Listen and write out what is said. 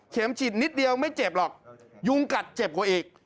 ฉีดนิดเดียวไม่เจ็บหรอกยุงกัดเจ็บกว่าอีก